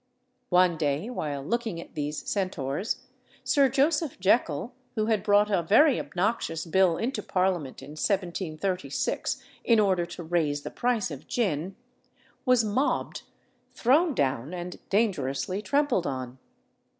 One day while looking at these centaurs, Sir Joseph Jekyll, who had brought a very obnoxious bill into Parliament in 1736 in order to raise the price of gin, was mobbed, thrown down, and dangerously trampled on.